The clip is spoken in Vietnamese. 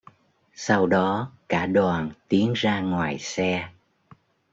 Sau đó cả đoàn tiến ra ngoài xe